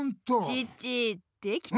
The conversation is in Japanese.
チッチできた？